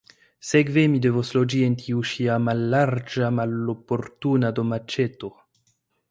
Sekve mi devos loĝi en tiu ŝia mallarĝa maloportuna domaĉeto.